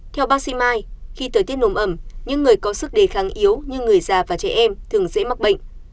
theo bác sĩ mai khi thời tiết nồm ẩm những người có sức đề kháng yếu như người già và trẻ em thường dễ mắc bệnh